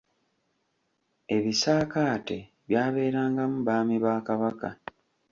Ebisaakaate byabeerangamu baami ba Kabaka.